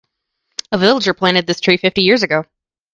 A villager planted this tree fifty years ago.